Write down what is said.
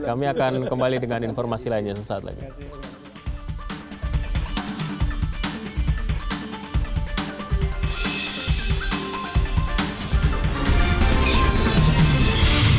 kami akan kembali dengan informasi lainnya sesaat lagi